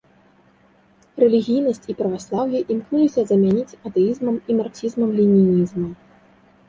Рэлігійнасць і праваслаўе імкнуліся замяніць атэізмам і марксізмам-ленінізмам.